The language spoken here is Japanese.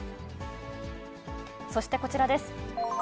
そしてこちらです。